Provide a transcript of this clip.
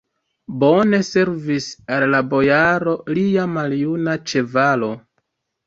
Bone servis al la bojaro lia maljuna ĉevalo!